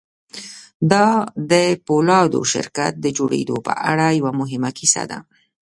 دا د پولادو شرکت د جوړېدو په اړه یوه مهمه کیسه ده